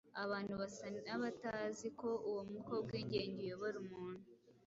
Aba bantu basa n’abatazi ko uwo mwuka w’ubwigenge uyobora umuntu